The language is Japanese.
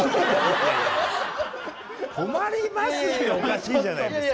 困りますっておかしいじゃないですか。